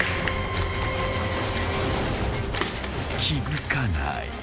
［気付かない］